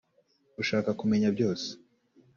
ushaka kumenya byose